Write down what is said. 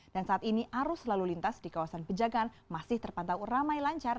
dan saat ini arus selalu lintas di kawasan pejagaan masih terpantau ramai lancar